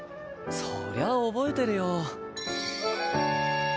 そりゃ覚えてるよ。